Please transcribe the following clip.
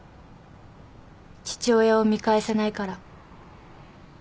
父親を見返せないから。